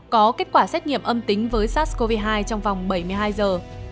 có kết quả xét nghiệm âm tính với sars cov hai trong vòng bảy mươi hai giờ